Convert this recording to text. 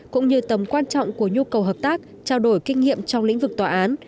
cũng như tầm quan trọng của nhu cầu hợp tác trao đổi kinh nghiệm trong lĩnh vực tòa án